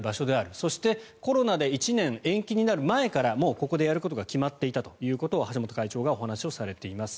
そして、コロナで１年延期になる前からもうここでやることが決まっていたということを橋本会長がお話しされています。